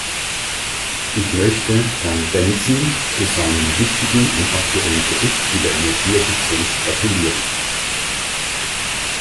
Ich möchte Herrn Bendtsen zu seinem wichtigen und aktuellen Bericht über Energieeffizienz gratulieren.